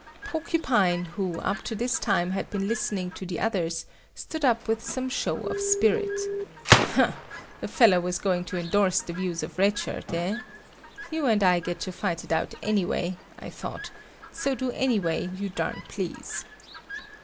Porcupine, who up to this time had been listening to the others, stood up with some show of spirit. Ha, the fellow was going to endorse the views of Red Shirt, eh? You and I got to fight it out anyway, I thought, so do any way you darn please.